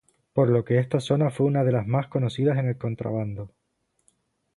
Por lo que esta zona fue una de las más conocidas en el contrabando..